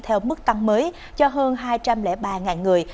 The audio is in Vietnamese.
theo mức tăng mới cho hơn hai trăm linh ba người